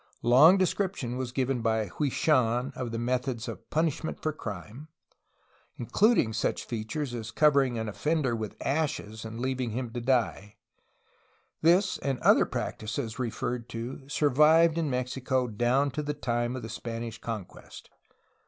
A long description was given by Hwui Shan of the methods of punishment for crime, including such features as covering an offender with ashes and leaving him to die. This and the other practices referred to survived in Mexico down to the time of the Spanish conquest.